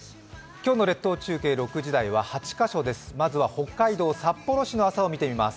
今日の列島中継６時台は８カ所です。